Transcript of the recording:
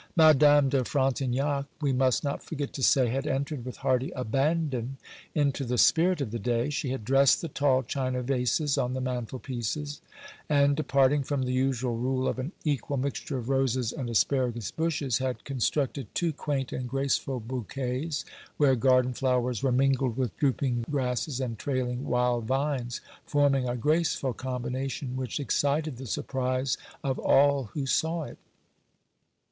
Madame de Frontignac, we must not forget to say, had entered with hearty abandon into the spirit of the day. She had dressed the tall china vases on the mantelpieces; and, departing from the usual rule of an equal mixture of roses and asparagus bushes, had constructed two quaint and graceful bouquets, where garden flowers were mingled with drooping grasses and trailing wild vines, forming a graceful combination, which excited the surprise of all who saw it.